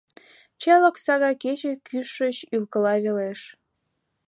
Чал окса гай кече кӱшыч Ӱлкыла велеш.